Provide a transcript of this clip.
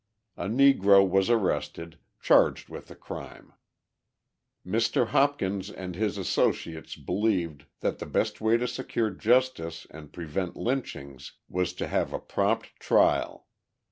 A Negro was arrested, charged with the crime. Mr. Hopkins and his associates believed that the best way to secure justice and prevent lynchings was to have a prompt trial.